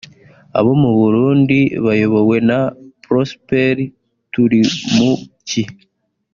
abo mu Burundi bayobowe na Prosper Turimuki